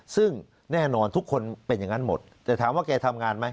ซึ่งแน่นอนทุกคนเป็นอย่างนั้นหมดแต่ถามว่าแกทำงานไหม